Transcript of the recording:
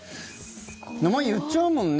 名前、言っちゃうもんね。